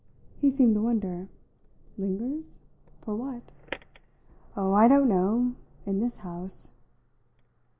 He seemed to wonder. "'Lingers?' For what?" "Oh, I don't know in this house!"